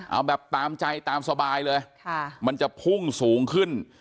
เอาแบบตามใจตามสบายเลยมันจะพุ่งสูงขึ้น